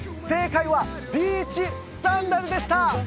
正解は「ビーチサンダル」でした！